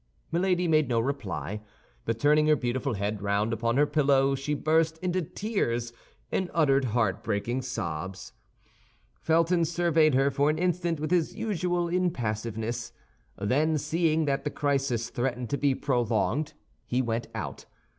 Milady made no reply, but turning her beautiful head round upon her pillow, she burst into tears, and uttered heartbreaking sobs. Felton surveyed her for an instant with his usual impassiveness; then, seeing that the crisis threatened to be prolonged, he went out.